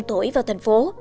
tủy vào thành phố